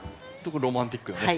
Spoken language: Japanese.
ロマンティックなね